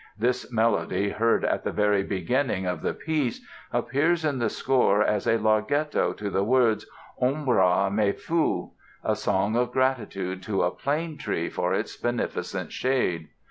This melody, heard at the very opening of the piece, appears in the score as a larghetto to the words "Ombra mai fu", a song of gratitude to a plane tree for its beneficent shade.